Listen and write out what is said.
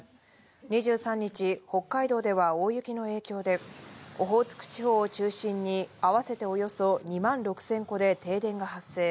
２３日、北海道では大雪の影響で、オホーツク地方を中心に、合わせておよそ２万６０００戸で停電が発生。